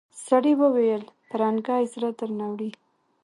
سړي وويل پرنګۍ زړه درنه وړی.